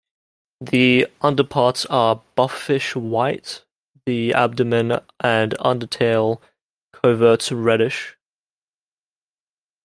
The under parts are buffish white, the abdomen and under tail coverts reddish.